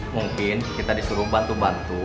mungkin kita disuruh bantu bantu